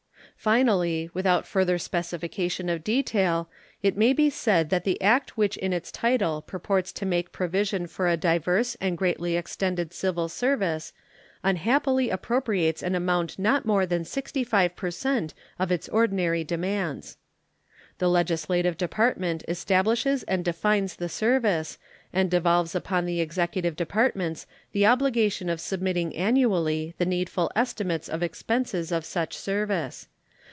Finally, without further specification of detail, it may be said that the act which in its title purports to make provision for a diverse and greatly extended civil service unhappily appropriates an amount not more than 65 per cent of its ordinary demands. The legislative department establishes and defines the service, and devolves upon the Executive Departments the obligation of submitting annually the needful estimates of expenses of such service.